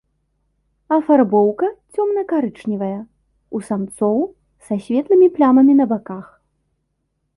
Афарбоўка цёмна-карычневая, у самцоў са светлымі плямамі на баках.